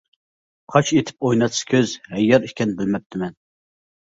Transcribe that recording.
قاش ئېتىپ ئويناتسا كۆز، ھەييار ئىكەن بىلمەپتىمەن.